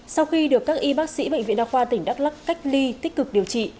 sau khi được các y bác sĩ bệnh viện đa khoa tỉnh đắk lắc cách ly tích cực điều trị